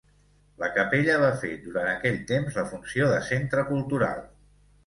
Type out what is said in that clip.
La capella va fer, durant aquell temps, la funció de centre cultural.